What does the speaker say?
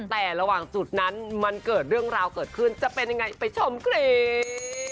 แต่ระหว่างจุดนั้นมันเกิดเรื่องราวเกิดขึ้นจะเป็นยังไงไปชมคลิป